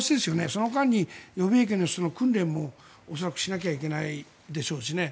その間に予備役の人の訓練も恐らく、しなければいけないでしょうしね。